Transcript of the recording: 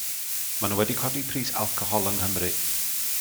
Maen nhw wedi codi pris alcohol yng Nghymru.